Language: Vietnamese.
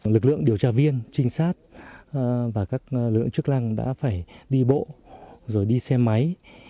lực lượng điều tra viên trinh sát và các lực lượng chức năng đã phải đi bộ rồi đi xe máy